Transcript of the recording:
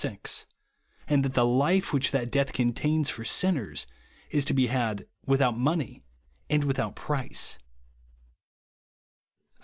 G), and that the life which that death contains for sinners, is to be had " without money, and without price," (Isa.